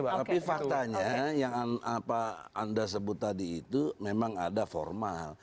tapi faktanya yang apa anda sebut tadi itu memang ada formal